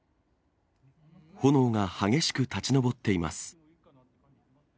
炎が激しく立ち上っています。